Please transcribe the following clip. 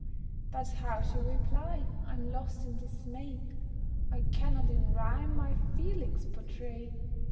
But how to reply? I'm lost in dismay, I cannot in rhyme my feelings portray.